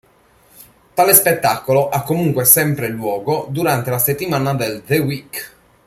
Tale spettacolo ha comunque sempre luogo durante la settimana del The Week.